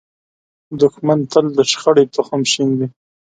دښمن تل د شخړې تخم شیندي